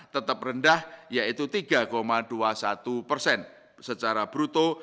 tetap rendah yaitu tiga dua puluh satu persen secara bruto